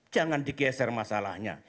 jangan digeser masalahnya